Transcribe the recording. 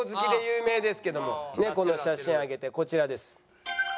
猫の写真上げてこちらです。